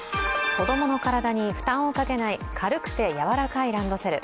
子供の体に負担をかけない軽くて柔らかいランドセル。